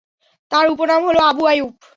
তাঁর উপনাম হল আবু আইয়ূব।